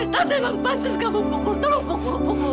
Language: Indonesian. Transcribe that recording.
tante emang pasti kamu pukul tolong pukul pukul